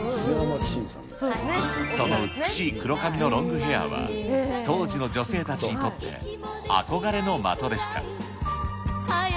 その美しい黒髪のロングヘアーは、当時の女性たちにとって、憧れの的でした。